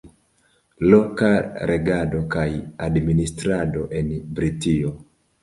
Loka regado kaj administrado en Britio.